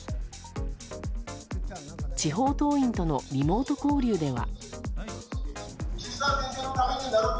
地方党員とのリモート交流では。